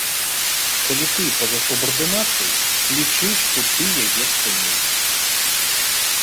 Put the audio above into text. Калі ты па-за субардынацыяй, лічы, што ты яе спыніў.